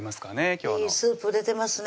今日のいいスープ出てますね